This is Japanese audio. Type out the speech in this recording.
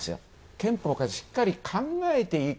「憲法改正をしっかり考えていく」。